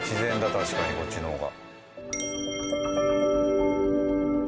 確かにこっちの方が。